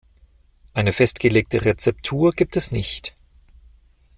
Eine festgelegte Rezeptur gibt es nicht.